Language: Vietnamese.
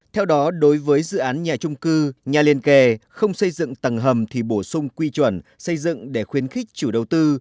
theo đó đối với dự án nhà trung cư nhà liên kề không xây dựng tầng hầm thì bổ sung quy chuẩn xây dựng để khuyến khích chủ đầu tư